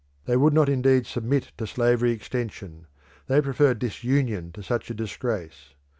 They would not indeed submit to slavery extension; they preferred disunion to such a disgrace.